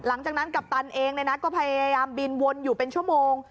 หลังจากนั้นกัปตันเองก็พยายามบินวนอยู่เป็นชั่วโมง